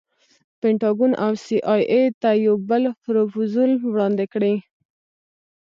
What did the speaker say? پنټاګون او سي ای اې ته یو بل پروفوزل وړاندې کړي.